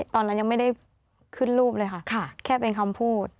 ตอนนั้นยังไม่ได้ขึ้นรูปเลยค่ะแค่เป็นคำพูด